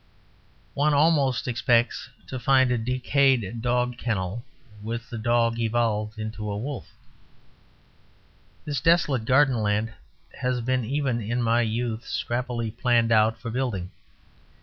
One almost expects to find a decayed dog kennel; with the dog evolved into a wolf. This desolate garden land had been even in my youth scrappily planned out for building.